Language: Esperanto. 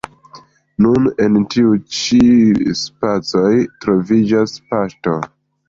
Nun en tiuj ĉi spacoj troviĝas poŝto.